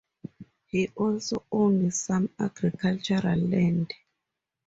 He also owned some agricultural land.